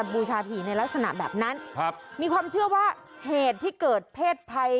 บูชาผีในลักษณะแบบนั้นครับมีความเชื่อว่าเหตุที่เกิดเพศภัย